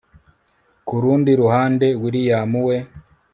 kurundi ruhande, william we